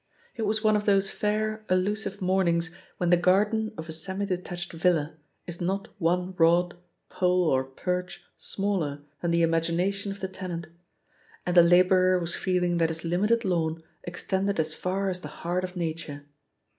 It was one of those fair, allusive mornings when the garden of a semi detached villa is not one rod, pole, or perch smaller than the imagination of the tenant, and the labourer was feeling that his limited lawn extended as far as the heart of Nature.